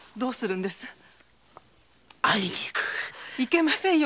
いけませんよ